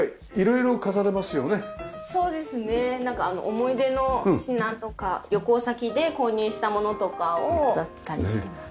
思い出の品とか旅行先で購入した物とかを飾ったりしています。